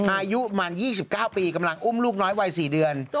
อายุมัน๒๙ปีกำลังอุ้มลูกน้อยวัย๔เดือน